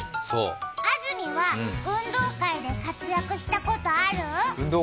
安住は、運動会で活躍したことある？